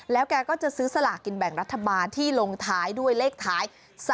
แล้วแกก็จะซื้อสลากกินแบ่งรัฐบาลที่ลงท้ายด้วยเลขท้าย๓๔